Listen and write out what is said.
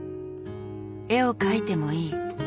「絵を描いてもいい」。